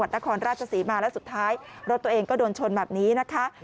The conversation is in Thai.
นครราชศรีมาแล้วสุดท้ายรถตัวเองก็โดนชนแบบนี้นะคะ